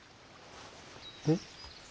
えっ？